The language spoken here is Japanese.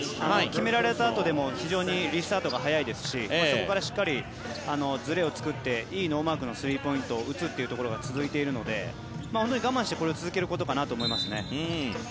決められたあとでも非常にリスタートが速いですしそこからしっかりずれを作っていいノーマークのスリーポイントを打つというところが続いているので本当に我慢してこれを続けることかなと思いますね。